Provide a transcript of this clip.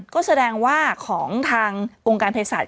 ก็แสดงว่าของทางองค์การเพศศาส